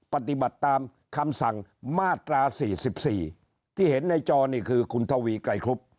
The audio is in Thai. ปฏิบัติตามคำสั่งมาตรา๔๔ที่เห็นในจอนี่คือคุณทวีไกรครุบ